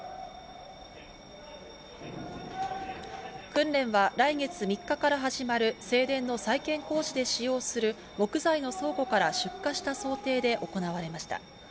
訓練は来月３日から始まる正殿の再建工事で使用する木材の倉庫から出火した想定で行われました。